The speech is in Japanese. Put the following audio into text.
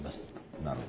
なるほど。